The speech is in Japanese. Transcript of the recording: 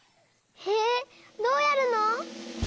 へえどうやるの？